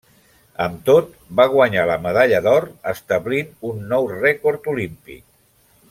Amb tot, va guanyar la medalla d'or, establint un nou rècord olímpic.